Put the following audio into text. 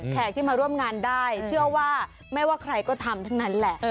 ที่มาร่วมงานได้เชื่อว่าไม่ว่าใครก็ทำทั้งนั้นแหละ